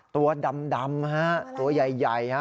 ตัวดำตัวใหญ่